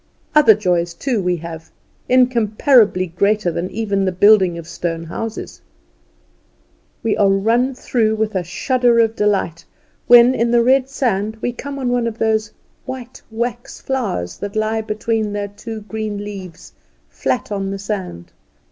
Other joys too we have incomparably greater then even the building of stone houses. We are run through with a shudder of delight when in the red sand we come on one of those white wax flowers that lie between their two green leaves flat on the sand.